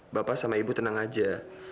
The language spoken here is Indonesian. bapak sama ibu tenang aja